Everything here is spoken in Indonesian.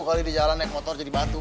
dua kali di jalan naik motor jadi batu